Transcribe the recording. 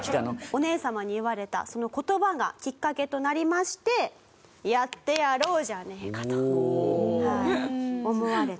お姉様に言われたその言葉がきっかけとなりまして「やってやろうじゃねぇか！」と思われたと。